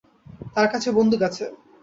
তার কাছে বন্দুক আছে।